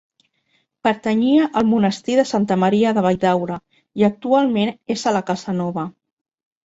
Pertanyia al Monestir de Santa Maria de Valldaura i actualment és a la Casa Nova.